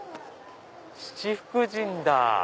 七福神だ！